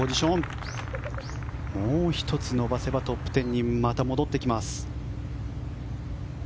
もう１つ伸ばせばトップ１０にまた戻ってきます。